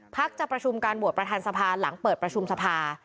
จะประชุมการโหวตประธานสภาหลังเปิดประชุมสภา